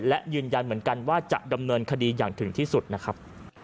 และยืนยันเหมือนกันว่าจะดำเนินคดีอย่างถึงที่สุดนะครับ